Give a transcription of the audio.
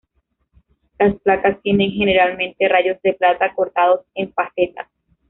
Las placas tienen generalmente rayos de plata cortados en facetas.